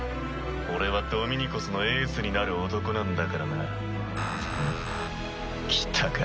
俺はドミニコスのエースになる男なんだからな。